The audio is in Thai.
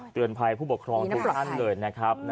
เตือนภัยผู้ปกครองทุกท่านเลยนะครับ